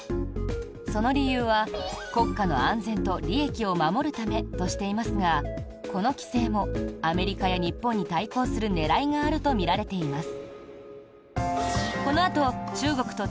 その理由は、国家の安全と利益を守るためとしていますがこの規制もアメリカや日本に対抗する狙いがあるとみられています。